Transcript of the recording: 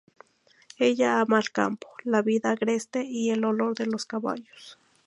Ella ama el campo, la vida agreste y el olor de los caballos.